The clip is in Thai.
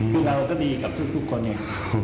คือเราก็ดีกับทุกคนเนี่ย